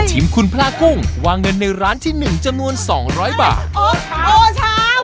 ชิมขุนพลากุ้งวางเงินในร้านที่หนึ่งจำนวน๒๐๐บาท